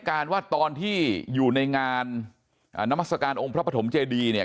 การว่าตอนที่อยู่ในงานนามัศกาลองค์พระปฐมเจดีเนี่ย